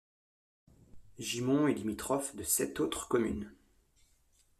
Gimont est limitrophe de sept autres communes.